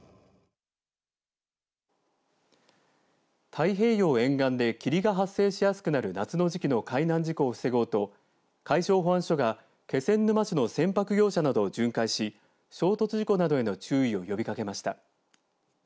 太平洋沿岸で霧が発生しやすくなる夏の時期の海岸事故を防ごうと海上保安署が県の気仙沼市の船舶業者などを巡回し衝突事故などへの注意を呼びかけました。